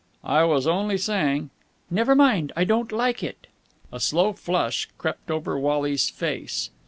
"I was only saying...." "Never mind. I don't like it." A slow flush crept over Wally's face.